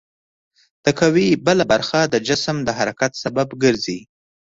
د قوې بله برخه د جسم د حرکت سبب ګرځي.